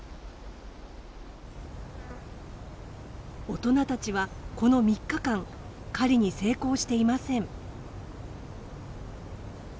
大人たちはこの３日間狩りに成功していません。